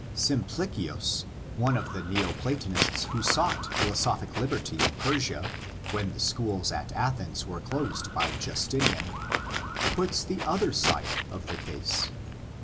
Simplicius, one of the Neo Platonists who sought philosophic liberty in Persia when the schools at Athens were closed by Justinian, puts the other side of the case.